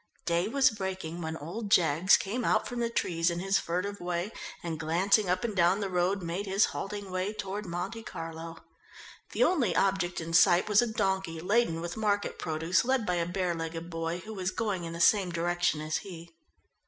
Day was breaking when old Jaggs came out from the trees in his furtive way and glancing up and down the road made his halting way toward Monte Carlo. The only objects in sight was a donkey laden with market produce led by a bare legged boy who was going in the same direction as he.